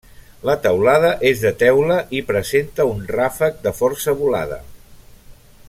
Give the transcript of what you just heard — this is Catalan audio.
La teulada és de teula i presenta un ràfec de força volada.